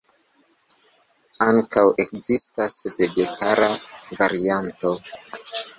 Ankaŭ ekzistas vegetara varianto.